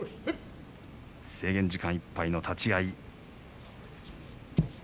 制限時間いっぱいの立ち合い。